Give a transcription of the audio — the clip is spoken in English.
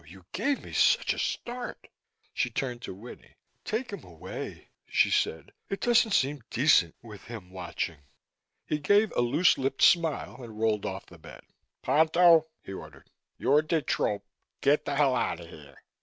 You gave me such a start." She turned to Winnie. "Take him away," she said. "It doesn't seem decent with him watching." He gave a loose lipped smile and rolled off the bed. "Ponto," he ordered. "You're de trop. Get the hell out of here!"